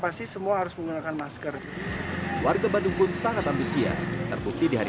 pasti semua harus menggunakan masker warga bandung pun sangat antusias terbukti di hari